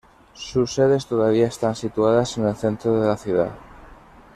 Sus sedes todavía están situadas en el centro de la ciudad.